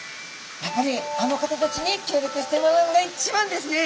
やっぱりあの方たちに協力してもらうのが一番ですね！